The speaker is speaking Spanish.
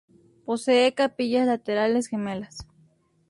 Posee capillas laterales gemelas.